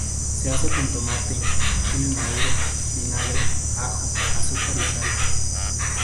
Se hace con tomate, chile maduro, vinagre, ajo, azúcar y sal.